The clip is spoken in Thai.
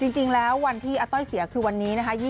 จริงแล้ววันที่อาต้อยเสียคือวันนี้นะคะ